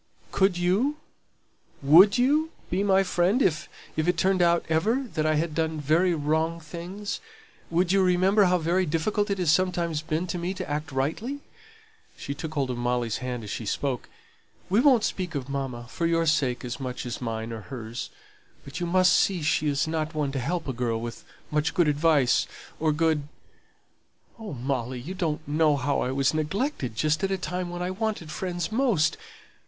"Could you? Would you be my friend if if it turned out ever that I had done very wrong things? Would you remember how very difficult it has sometimes been to me to act rightly?" (she took hold of Molly's hand as she spoke). "We won't speak of mamma, for your sake as much as mine or hers; but you must see she isn't one to help a girl with much good advice, or good Oh, Molly, you don't know how I was neglected just at a time when I wanted friends most.